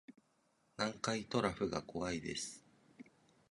南海トラフが怖いです